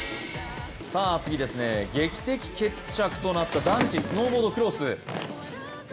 劇的決着となった男子スノーボードクロス。